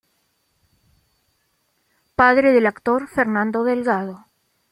Padre del actor Fernando Delgado.